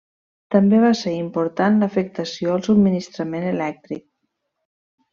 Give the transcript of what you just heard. També va ser important l'afectació al subministrament elèctric.